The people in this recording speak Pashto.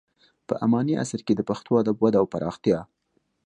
په اماني عصر کې د پښتو ادب وده او پراختیا.